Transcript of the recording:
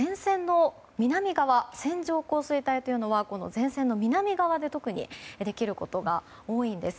線状降水帯というのは前線の南側で特にできることが多いんです。